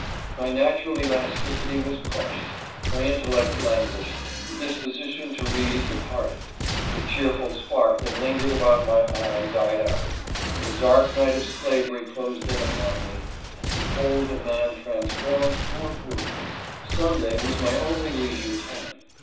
Myna^ural elasticity was crushed ; my intellectTanguished ; the disposition to read departed, the cheerful spark that lingered1 about my eye died out ; the dark nig^T~oT^Iavely closed in upon me, and bel^old a man transformed to a brute ! Sunday was my only leisure time.